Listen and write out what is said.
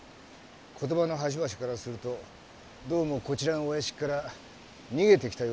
言葉の端々からするとどうもこちらのお屋敷から逃げてきたようでしたんでね。